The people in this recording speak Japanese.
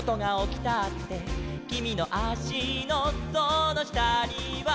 「きみのあしのそのしたには」